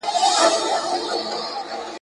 چي پر تا به قضاوت کړي او شاباس درباندي اوري ,